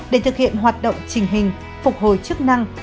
để thực hiện hoạt động trình hình phục hồi chức năng